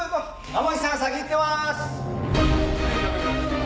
天樹さん先行ってます！